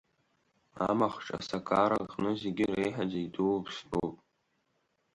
Амахҽ асакара аҟны зегьы реиҳаӡа идуу ԥстәуп.